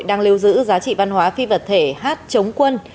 đang lưu giữ giá trị văn hóa phi vật thể hát chống quân